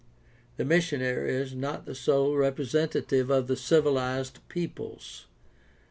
The missionary is not the sole representative of the civilized peoples.